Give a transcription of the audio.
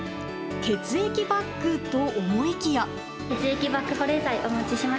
血液バッグと思いきや。